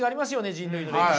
人類の歴史。